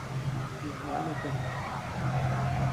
Bianual o perenne.